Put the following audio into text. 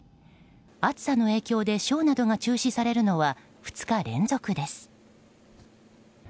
暑さの影響でショーなどが中止されるのは２日連続です。